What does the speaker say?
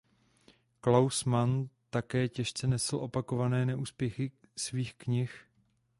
Klaus Mann také těžce nesl opakované neúspěchy svých knih.